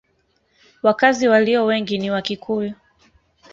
Wakazi walio wengi ni Wakikuyu.